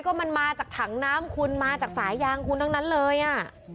ก็มันมาจากถังน้ำคุณมาจากสายยางคุณทั้งนั้นเลยอ่ะ